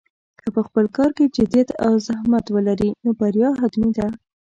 که په خپل کار کې جدیت او زحمت ولرې، نو بریا حتمي ده.